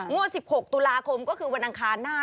งวด๑๖ตุลาคมก็คือวันอังคารหน้า